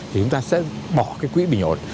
thì chúng ta sẽ bỏ cái quỹ bình ổn